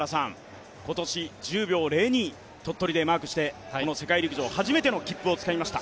今年１０秒０２、鳥取でマークしてこの世界陸上、初めての切符をつかみました。